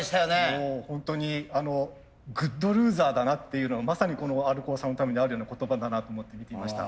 もうホントにグッドルーザーだなっていうのまさにこのＲコーさんのためにあるような言葉だなと思って見ていました。